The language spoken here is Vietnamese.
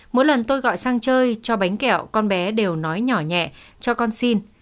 mỗi lần tôi gọi sang chơi cho bánh kẹo con bé đều nói nhỏ nhẹ cho con xin